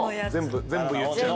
全部言っちゃう。